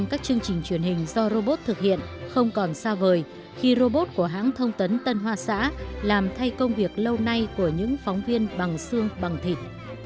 các chương trình truyền hình do robot thực hiện không còn xa vời khi robot của hãng thông tấn tân hoa xã làm thay công việc lâu nay của những phóng viên bằng xương bằng thịt